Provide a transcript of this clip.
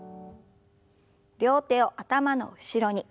両手を頭の後ろに。